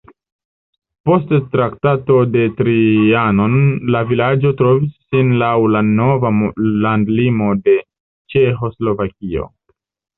Post Traktato de Trianon la vilaĝo trovis sin laŭ la nova landlimo de Ĉeĥoslovakio.